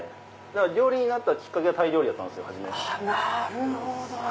だから料理人になったきっかけはタイ料理だったんですよ。